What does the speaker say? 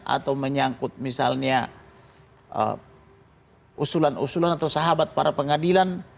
atau menyangkut misalnya usulan usulan atau sahabat para pengadilan